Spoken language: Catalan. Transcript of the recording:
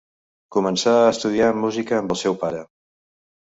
Començà a estudiar música amb el seu pare.